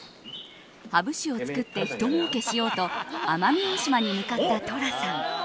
ハブ酒を作ってひと儲けしようと奄美大島に向かった寅さん。